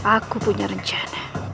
aku punya rencana